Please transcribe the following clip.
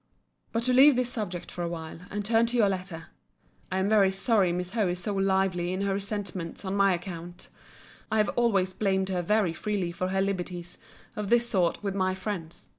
But to leave this subject for a while, and turn to your letter. I am very sorry Miss Howe is so lively in her resentments on my account. I have always blamed her very freely for her liberties of this sort with my friends.